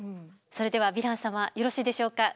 それではヴィラン様よろしいでしょうか？